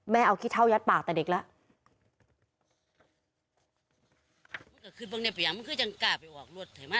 แม่เอาขี้เท่ายัดปากแต่เด็กละ